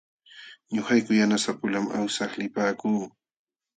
Ñuqayku yanasapulam awsaq lipaakuu.